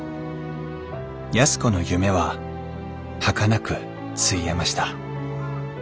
安子の夢ははかなくついえました。